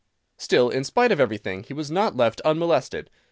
Still in spite of everything he was not left unmolested.